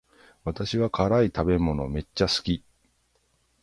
私は辛い食べ物めっちゃ好き